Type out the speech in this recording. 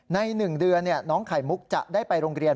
ใน๑เดือนน้องไข่มุกจะได้ไปโรงเรียน